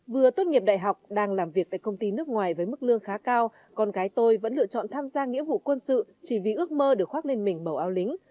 vừa tốt nghiệp đại học đang làm việc tại công ty nước ngoài với mức lương khá cao con gái tôi vẫn lựa chọn tham gia nghĩa vụ quân sự chỉ vì ước mơ được khoác lên mình màu ao lính